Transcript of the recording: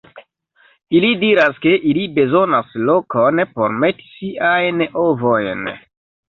Ili diras ke ili bezonas lokon por meti siajn ovojn.